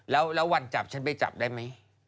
แล้ววันจับฉันไปจับได้ไหม